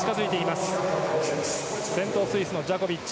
先頭はスイスのジャコビッチ。